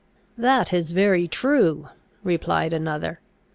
"That is very true," replied another.